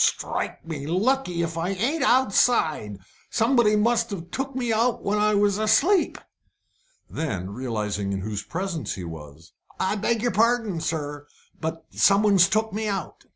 "Strike me lucky, if I ain't outside! Somebody must have took me out when I was asleep." Then, realising in whose presence he was "I beg your pardon, sir, but someone's took me out."